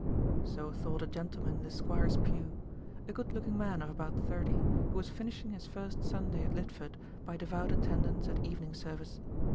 So thought a gentleman in the Squire's pew a good looking man of about thirty, who was finishing his first Sunday at Lidford by devout attendance at evening service.